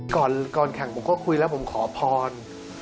ก่อนแข่งผมก็คุยแล้วผมขอพร